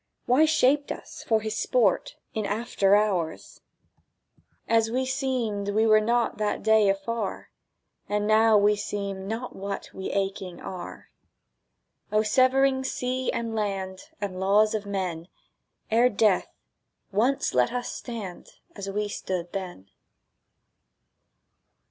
Why shaped us for his sport In after hours? As we seemed we were not That day afar, And now we seem not what We aching are. O severing sea and land, O laws of men, Ere death, once let us stand As we stood then!